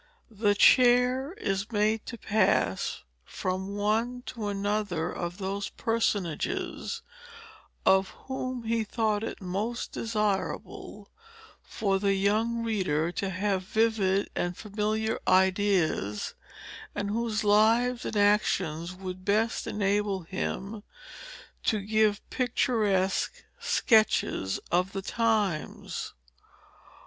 The Chair is made to pass from one to another of those personages, of whom he thought it most desirable for the young reader to have vivid and familiar ideas, and whose lives and actions would best enable him to give picturesque sketches of the times.